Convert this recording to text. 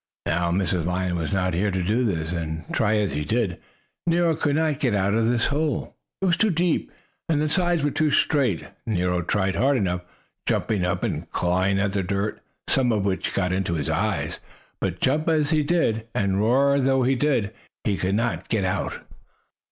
Now Mrs. Lion was not here to do this, and, try as he did, Nero could not get out of this hole. It was too deep, and the sides were too straight. Nero tried hard enough, jumping up and clawing at the dirt, some of which got into his eyes, but jump though he did, and roar though he did, he could not get out.